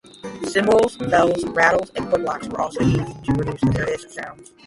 Cymbals, bells, rattles and wood blocks were also used to produce various sounds.